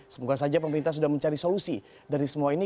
semoga saja pemerintah sudah mencari solusi dari semua ini